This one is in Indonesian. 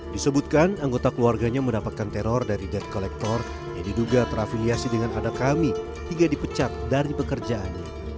disebutkan anggota keluarganya mendapatkan teror dari debt collector yang diduga terafiliasi dengan anak kami hingga dipecat dari pekerjaannya